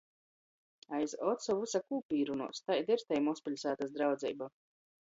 Aiz ocu vysa kuo pīrunuos. Taida ir tei mozpiļsātys draudzeiba.